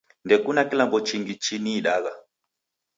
Ndekuna kilambo chingi chiniidagh.